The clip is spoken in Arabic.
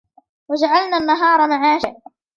وجعلنا النهار معاشا